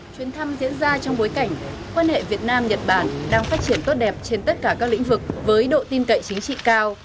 chuyến thăm diễn ra trong bối cảnh quan hệ việt nam nhật bản đang phát triển tốt đẹp trên tất cả các lĩnh vực với độ tin cậy chính trị cao